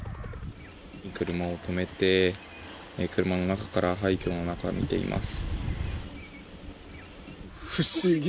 車を止めて、車の中から廃虚を見ています。